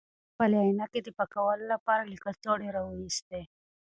هغه خپلې عینکې د پاکولو لپاره له کڅوړې راویستې.